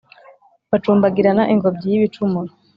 bacumbagirana ingobyi y ' ibicumuro !